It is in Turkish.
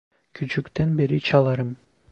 Küçükten beri çalarım.